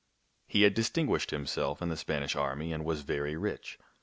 He had distinguished himself in the Spanish army and was very rich.